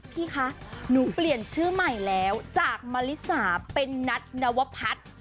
พี่คะหนูเปลี่ยนชื่อใหม่แล้วจากมะลิสาเป็นนัทนวพัฒน์